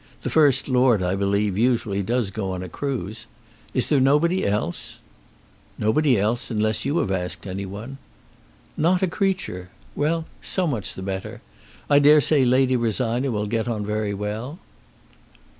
The First Lord, I believe, usually does go a cruise. Is there nobody else?" "Nobody else, unless you have asked any one." "Not a creature. Well; so much the better. I dare say Lady Rosina will get on very well."